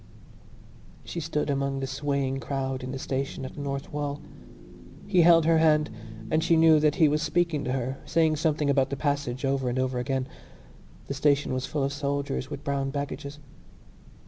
She stood among the swaying crowd in the station at the North Wall. He held her hand and she knew that he was speaking to her, saying something about the passage over and over again. The station was full of soldiers with brown baggages.